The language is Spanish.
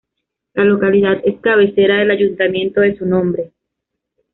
La localidad es cabecera del ayuntamiento de su nombre.